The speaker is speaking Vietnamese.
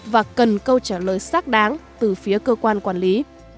và cần câu trả lời xác đáng từ phía cơ quan quản lý